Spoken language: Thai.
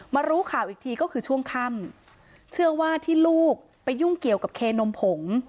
รู้ข่าวอีกทีก็คือช่วงค่ำเชื่อว่าที่ลูกไปยุ่งเกี่ยวกับเคนมผง